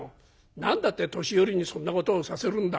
何だって年寄りにそんなことをさせるんだ。